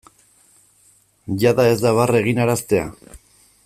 Jada ez da barre eginaraztea?